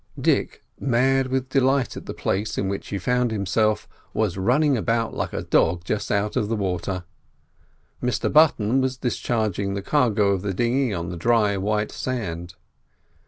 Dick, mad with delight at the place in which he found himself, was running about like a dog just out of the water. Mr Button was discharging the cargo of the dinghy on the dry, white sand.